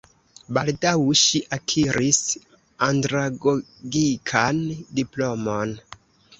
Baldaŭ ŝi akiris andragogikan diplomon.